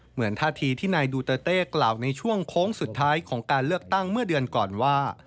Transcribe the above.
เหมือนท่าทีที่นายดูเตอร์เต้กล่าวในช่วงโค้งสุดท้ายของการเลือกตั้งเมื่อเดือนก่อนว่า